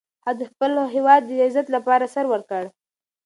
هغه د خپل هیواد د عزت لپاره سر ورکړ.